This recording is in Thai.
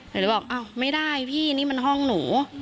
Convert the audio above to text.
หนูเลยบอกอ้าวไม่ได้พี่นี่มันห้องหนู